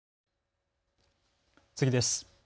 次です。